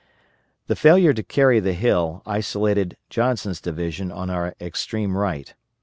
The failure to carry the hill isolated Johnson's division on our extreme right.